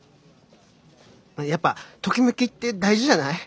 やっぱトキメキって大事じゃない。